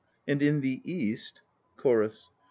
And in the east CHORUS.